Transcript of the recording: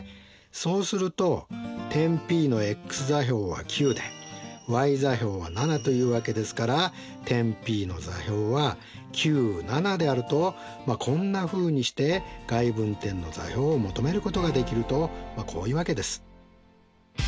そうすると点Ｐのｘ座標は９でｙ座標は７というわけですから点Ｐの座標はであるとまあこんなふうにして外分点の座標を求めることができるとこういうわけです。